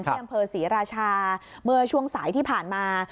ที่อำเภอศรีราชาเมื่อช่วงสายที่ผ่านมา